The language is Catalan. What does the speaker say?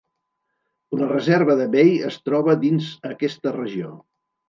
La reserva de Bay es troba dins aquesta regió.